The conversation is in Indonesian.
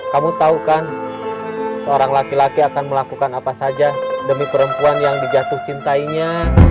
kamu tahu kan seorang laki laki akan melakukan apa saja demi perempuan yang dijatuh cintainya